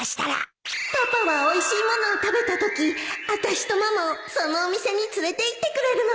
パパはおいしい物を食べたときあたしとママをそのお店に連れていってくれるの